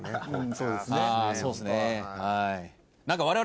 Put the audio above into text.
そうですね。